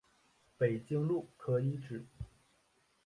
北京路可以指